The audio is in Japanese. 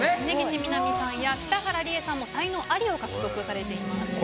峯岸みなみさんや北原里英さんも才能アリを獲得されています。